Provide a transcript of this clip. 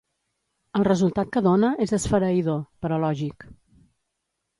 El resultat que dóna és esfereïdor, però lògic.